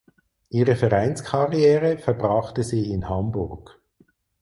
Ihre Vereinskarriere verbrachte sie in Hamburg.